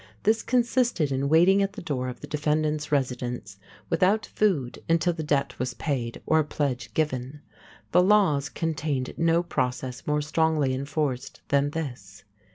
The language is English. This consisted in waiting at the door of the defendant's residence without food until the debt was paid or a pledge given. The laws contained no process more strongly enforced than this.